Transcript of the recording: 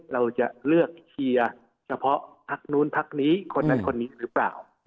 เราจะเลือกเชียร์เฉพาะถูกเฉทีหรือเปล่า